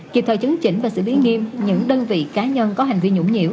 kịp thời chứng chỉnh và xử lý nghiêm những đơn vị cá nhân có hành vi nhũng nhiễu